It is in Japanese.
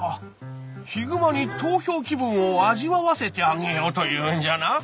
ヒグマに投票気分を味わわせてあげようというんじゃな。